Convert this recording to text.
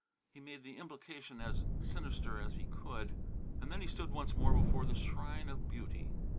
He made the implication as sinister as he could. And then he stood once more before the shrine of Beauty.